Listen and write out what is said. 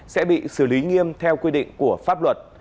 sẽ bị xử lý nghiêm theo quy định của pháp luật